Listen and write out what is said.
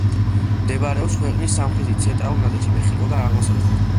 მდებარეობს ქვეყნის სამხრეთ-ცენტრალურ ნაწილში, მეხიკოდან აღმოსავლეთით.